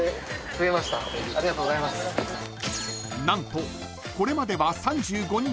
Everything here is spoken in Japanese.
［何とこれまでは］